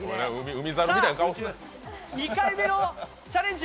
２回目のチャレンジ